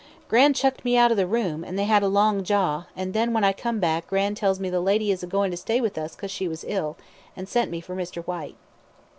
"Gran' chucked me out of the room, an' they had a long jaw; and then, when I come back, Gran' tells me the lady is a goin' to stay with us 'cause she was ill, and sent me for Mr. Whyte."